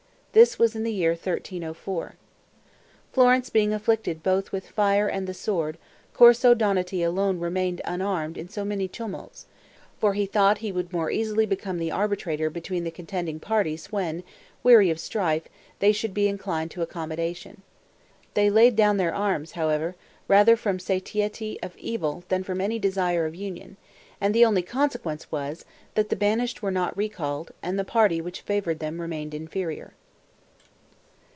This was in the year 1304, Florence being afflicted both with fire and the sword. Corso Donati alone remained unarmed in so many tumults; for he thought he would more easily become the arbitrator between the contending parties when, weary of strife, they should be inclined to accommodation. They laid down their arms, however, rather from satiety of evil than from any desire of union; and the only consequence was, that the banished were not recalled, and the party which favored them remained inferior.